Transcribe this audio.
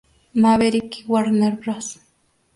Maverick y Warner Bros.